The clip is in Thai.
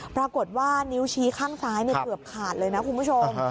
ปรากฏว่านิ้วชี้ข้างซ้ายเกือบขาดเลยนะคุณผู้ชม